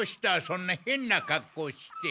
そんなへんな格好して。